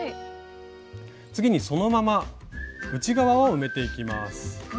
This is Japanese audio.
次にそのまま内側を埋めていきます。